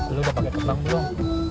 lu udah pake kembang belum